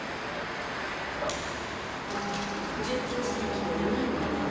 １９世紀のウィーンの病院。